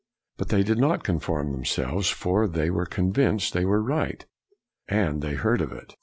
But they did not conform themselves, for they were convinced that they were right. And they heard of it.